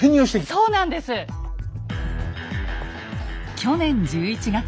去年１１月。